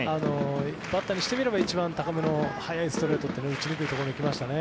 バッターにしてみれば一番高めの速いストレート一番打ちにくいところに行きましたね。